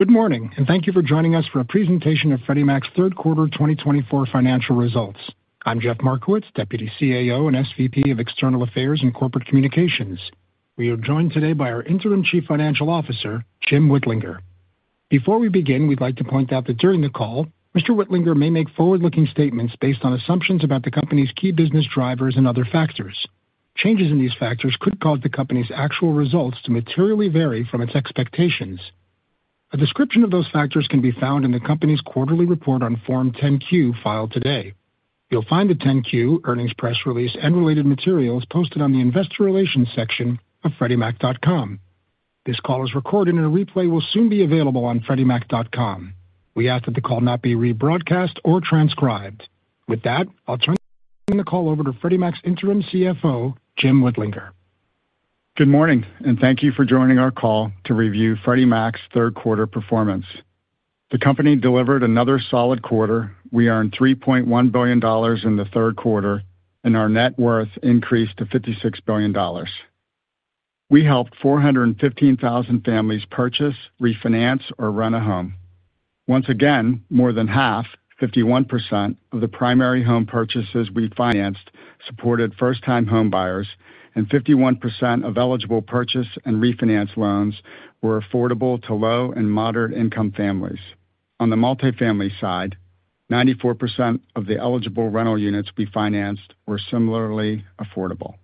Good morning, and thank you for joining us for a presentation of Freddie Mac's third quarter 2024 financial results. I'm Jeff Markowitz, Deputy CAO and SVP of External Affairs and Corporate Communications. We are joined today by our Interim Chief Financial Officer, Jim Whitlinger. Before we begin, we'd like to point out that during the call, Mr. Whitlinger may make forward-looking statements based on assumptions about the company's key business drivers and other factors. Changes in these factors could cause the company's actual results to materially vary from its expectations. A description of those factors can be found in the company's quarterly report on Form 10-Q filed today. You'll find the 10-Q earnings press release and related materials posted on the investor relations section of freddiemac.com. This call is recorded, and a replay will soon be available on freddiemac.com. We ask that the call not be rebroadcast or transcribed. With that, I'll turn the call over to Freddie Mac's Interim CFO, Jim Whitlinger. Good morning, and thank you for joining our call to review Freddie Mac's third quarter performance. The company delivered another solid quarter. We earned $3.1 billion in the third quarter, and our net worth increased to $56 billion. We helped 415,000 families purchase, refinance, or rent a home. Once again, more than half, 51%, of the primary home purchases we financed supported first-time home buyers, and 51% of eligible purchase and refinance loans were affordable to low and moderate-income families. On the multifamily side, 94% of the eligible rental units we financed were similarly affordable.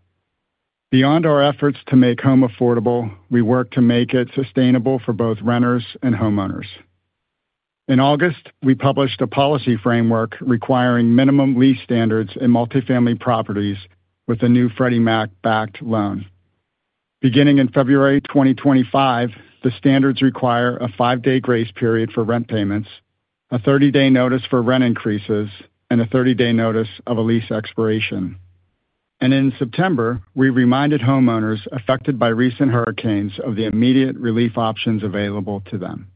Beyond our efforts to make home affordable, we work to make it sustainable for both renters and homeowners. In August, we published a policy framework requiring minimum lease standards in multifamily properties with a new Freddie Mac-backed loan. Beginning in February 2025, the standards require a five-day grace period for rent payments, a 30-day notice for rent increases, and a 30-day notice of a lease expiration. In September, we reminded homeowners affected by recent hurricanes of the immediate relief options available to them.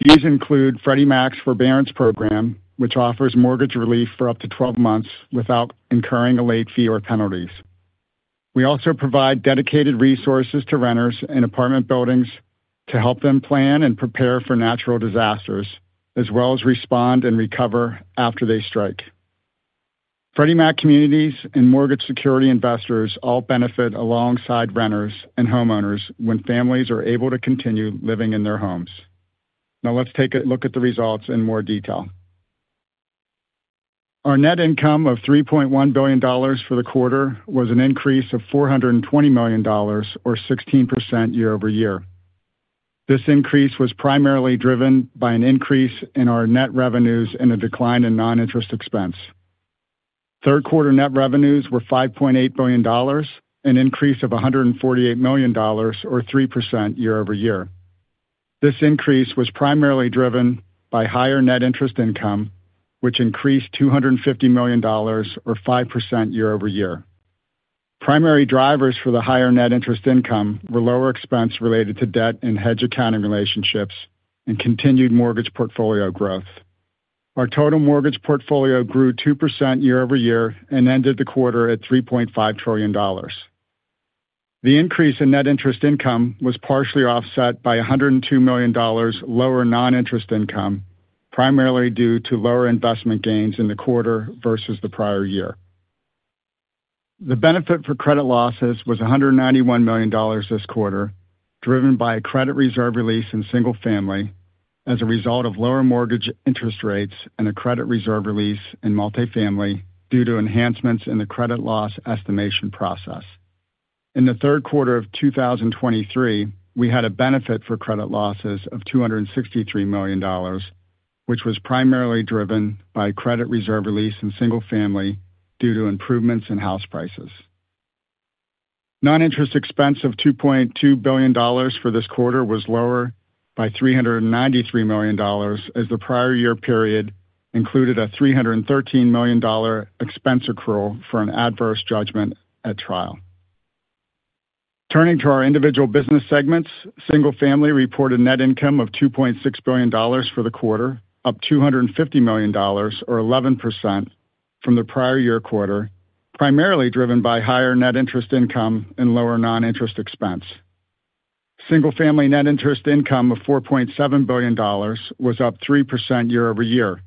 These include Freddie Mac's forbearance program, which offers mortgage relief for up to 12 months without incurring a late fee or penalties. We also provide dedicated resources to renters in apartment buildings to help them plan and prepare for natural disasters, as well as respond and recover after they strike. Freddie Mac communities and mortgage security investors all benefit alongside renters and homeowners when families are able to continue living in their homes. Now, let's take a look at the results in more detail. Our net income of $3.1 billion for the quarter was an increase of $420 million, or 16% year-over-year. This increase was primarily driven by an increase in our net revenues and a decline in non-interest expense. Third quarter net revenues were $5.8 billion, an increase of $148 million, or 3% year-over-year. This increase was primarily driven by higher net interest income, which increased $250 million, or 5% year-over-year. Primary drivers for the higher net interest income were lower expense related to debt and hedge accounting relationships and continued mortgage portfolio growth. Our total mortgage portfolio grew 2% year-over-year and ended the quarter at $3.5 trillion. The increase in net interest income was partially offset by $102 million lower non-interest income, primarily due to lower investment gains in the quarter versus the prior year. The benefit for credit losses was $191 million this quarter, driven by a credit reserve release in single-family as a result of lower mortgage interest rates and a credit reserve release in multifamily due to enhancements in the credit loss estimation process. In the third quarter of 2023, we had a benefit for credit losses of $263 million, which was primarily driven by credit reserve release in single-family due to improvements in house prices. Non-interest expense of $2.2 billion for this quarter was lower by $393 million, as the prior year period included a $313 million expense accrual for an adverse judgment at trial. Turning to our individual business segments, single-family reported net income of $2.6 billion for the quarter, up $250 million, or 11%, from the prior year quarter, primarily driven by higher net interest income and lower non-interest expense. Single-family net interest income of $4.7 billion was up 3% year-over-year,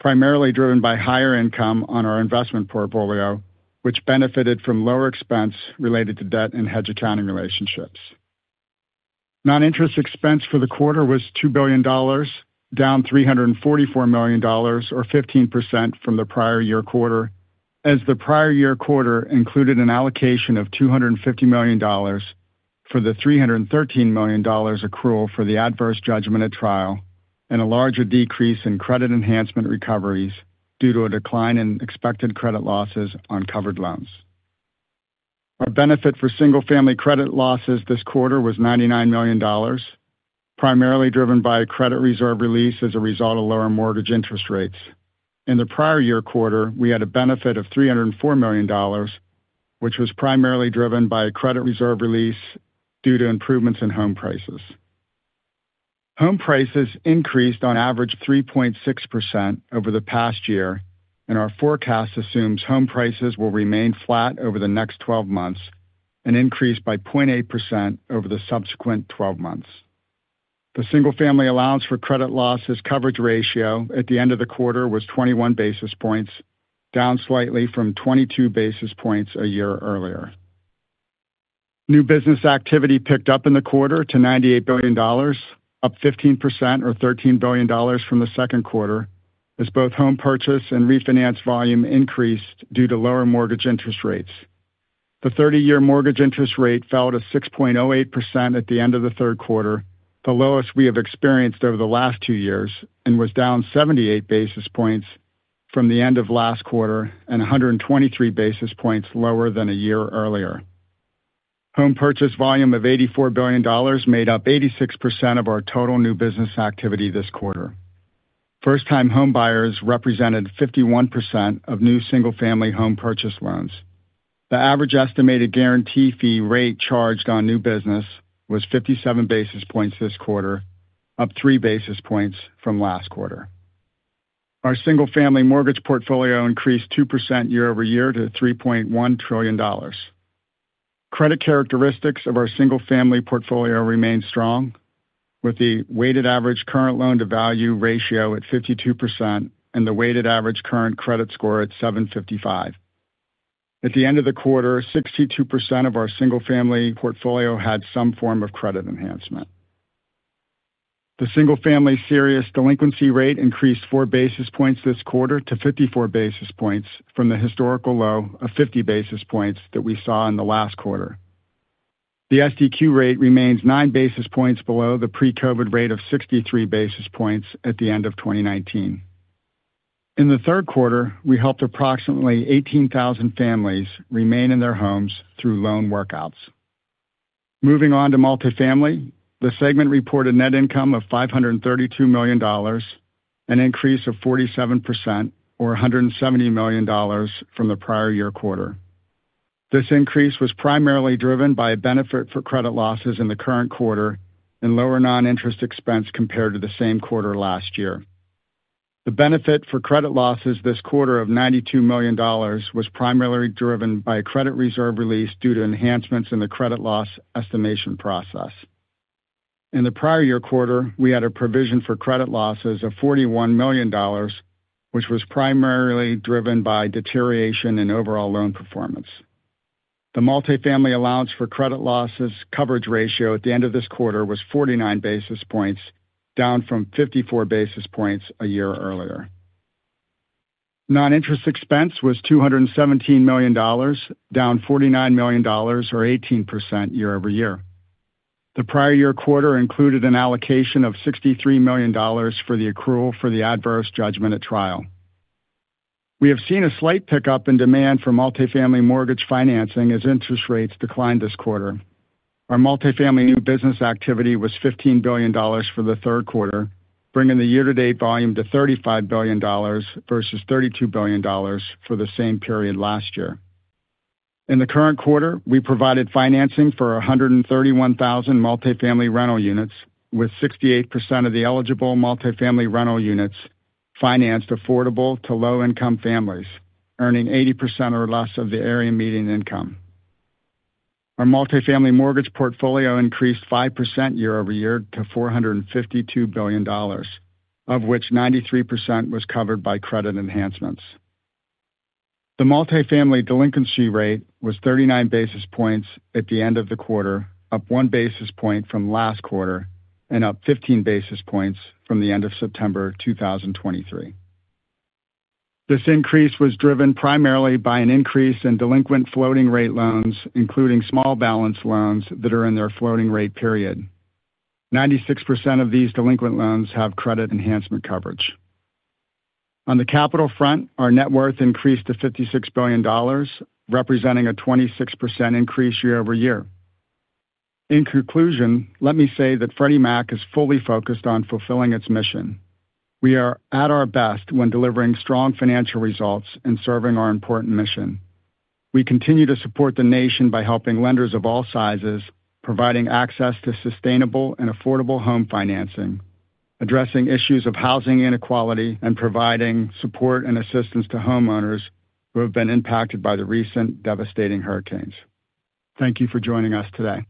primarily driven by higher income on our investment portfolio, which benefited from lower expense related to debt and hedge accounting relationships. Non-interest expense for the quarter was $2 billion, down $344 million, or 15% from the prior year quarter, as the prior year quarter included an allocation of $250 million for the $313 million accrual for the adverse judgment at trial and a larger decrease in credit enhancement recoveries due to a decline in expected credit losses on covered loans. Our benefit for single-family credit losses this quarter was $99 million, primarily driven by a credit reserve release as a result of lower mortgage interest rates. In the prior year quarter, we had a benefit of $304 million, which was primarily driven by a credit reserve release due to improvements in home prices. Home prices increased on average 3.6% over the past year, and our forecast assumes home prices will remain flat over the next 12 months and increase by 0.8% over the subsequent 12 months. The single-family allowance for credit losses coverage ratio at the end of the quarter was 21 basis points, down slightly from 22 basis points a year earlier. New business activity picked up in the quarter to $98 billion, up 15%, or $13 billion, from the second quarter, as both home purchase and refinance volume increased due to lower mortgage interest rates. The 30-year mortgage interest rate fell to 6.08% at the end of the third quarter, the lowest we have experienced over the last two years, and was down 78 basis points from the end of last quarter and 123 basis points lower than a year earlier. Home purchase volume of $84 billion made up 86% of our total new business activity this quarter. First-time home buyers represented 51% of new single-family home purchase loans. The average estimated guarantee fee rate charged on new business was 57 basis points this quarter, up three basis points from last quarter. Our single-family mortgage portfolio increased 2% year-over-year to $3.1 trillion. Credit characteristics of our single-family portfolio remained strong, with the weighted average current loan-to-value ratio at 52% and the weighted average current credit score at 755. At the end of the quarter, 62% of our single-family portfolio had some form of credit enhancement. The single-family serious delinquency rate increased four basis points this quarter to 54 basis points from the historical low of 50 basis points that we saw in the last quarter. The SDQ rate remains nine basis points below the pre-COVID rate of 63 basis points at the end of 2019. In the third quarter, we helped approximately 18,000 families remain in their homes through loan workouts. Moving on to multifamily, the segment reported net income of $532 million and increased of 47%, or $170 million from the prior year quarter. This increase was primarily driven by a benefit for credit losses in the current quarter and lower non-interest expense compared to the same quarter last year. The benefit for credit losses this quarter of $92 million was primarily driven by a credit reserve release due to enhancements in the credit loss estimation process. In the prior year quarter, we had a provision for credit losses of $41 million, which was primarily driven by deterioration in overall loan performance. The multifamily allowance for credit losses coverage ratio at the end of this quarter was 49 basis points, down from 54 basis points a year earlier. Non-interest expense was $217 million, down $49 million, or 18% year-over-year. The prior year quarter included an allocation of $63 million for the accrual for the adverse judgment at trial. We have seen a slight pickup in demand for multifamily mortgage financing as interest rates declined this quarter. Our multifamily new business activity was $15 billion for the third quarter, bringing the year-to-date volume to $35 billion versus $32 billion for the same period last year. In the current quarter, we provided financing for 131,000 multifamily rental units, with 68% of the eligible multifamily rental units financed affordable to low-income families, earning 80% or less of the area median income. Our multifamily mortgage portfolio increased 5% year-over-year to $452 billion, of which 93% was covered by credit enhancements. The multifamily delinquency rate was 39 basis points at the end of the quarter, up one basis point from last quarter, and up 15 basis points from the end of September 2023. This increase was driven primarily by an increase in delinquent floating-rate loans, including small balance loans that are in their floating-rate period. 96% of these delinquent loans have credit enhancement coverage. On the capital front, our net worth increased to $56 billion, representing a 26% increase year-over-year. In conclusion, let me say that Freddie Mac is fully focused on fulfilling its mission. We are at our best when delivering strong financial results and serving our important mission. We continue to support the nation by helping lenders of all sizes, providing access to sustainable and affordable home financing, addressing issues of housing inequality, and providing support and assistance to homeowners who have been impacted by the recent devastating hurricanes. Thank you for joining us today.